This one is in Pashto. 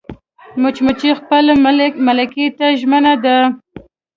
مچمچۍ خپل ملکې ته ژمنه ده